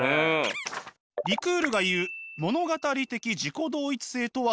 リクールが言う物語的自己同一性とはどういうものか？